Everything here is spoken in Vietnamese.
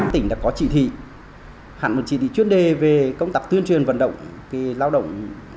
tỉnh đã có chỉ thị hẳn một chỉ thị chuyên đề về công tập tuyên truyền vận động